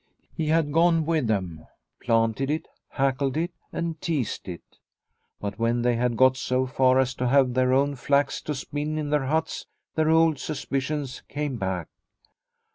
He had gone with them, planted it, hackled it and teased it. But when they had got so far as to have their own flax to spin in their huts their old suspicions came back.